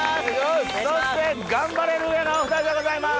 そしてガンバレルーヤのお２人でございます！